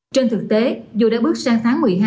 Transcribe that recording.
trên thực tế dù đã bước sang tháng một mươi hai